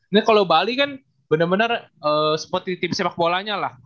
tapi kalau bali kan benar benar seperti tim sepakbolanya lah